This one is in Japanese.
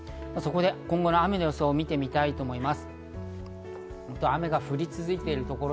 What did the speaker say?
今後の雨の予想を見てみたいと思います。